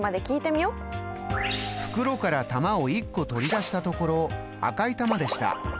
袋から玉を１個取り出したところ赤い玉でした。